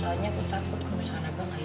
soalnya aku takut kalo misalnya abah gak izin